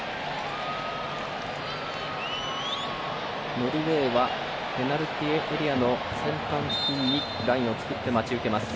ノルウェーはペナルティーエリアの先端付近にラインを作って待ち受けます。